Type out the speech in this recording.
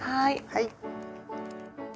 はい。